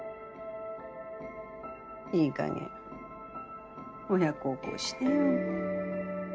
いい加減親孝行してよ。